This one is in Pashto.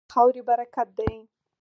هېواد د خاورې برکت دی.